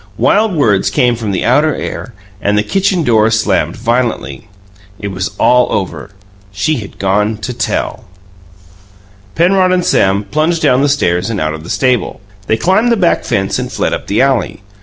Wild words came from the outer air, and the kitchen door slammed violently. It was all over. She had gone to "tell". Penrod and Sam plunged down the stairs and out of the stable. They climbed the back fence and fled up the alley.